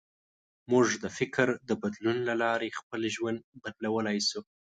موږ د فکر د بدلون له لارې خپل ژوند بدلولی شو.